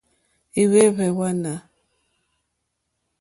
Ɛ̀hwɛ́hwɛ́ wààná.